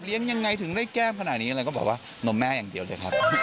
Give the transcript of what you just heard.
ยังไงถึงได้แก้มขนาดนี้แล้วก็บอกว่านมแม่อย่างเดียวเลยครับ